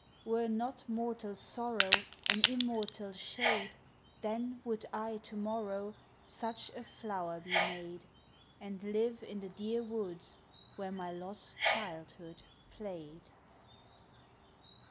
Were not mortal sorrow An immortal shade, Then would I to morrow Such a flower be made, And live in the dear woods where my lost child hood played.